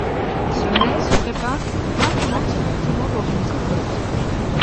Ce mets se prépare maintenant directement dans une cocotte.